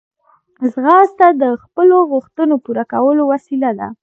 ځغاسته د خپلو غوښتنو پوره کولو وسیله ده